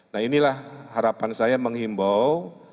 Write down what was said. nah inilah harapan saya menghimbau